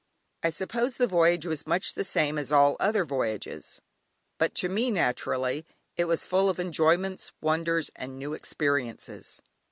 I suppose the voyage was much the same as all other voyages, but to me, naturally, it was full of enjoyments, wonders, and new experiences.